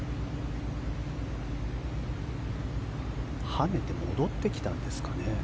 跳ねて戻ってきたんですかね。